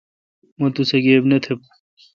مہ توسہ گیب نہ تھبوں۔